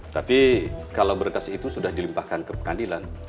tapi kalau berkas itu sudah dilimpahkan ke pengadilan